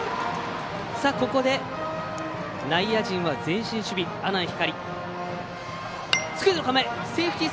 ここで内野陣は前進守備の阿南光。